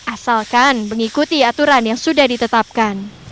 asalkan mengikuti aturan yang sudah ditetapkan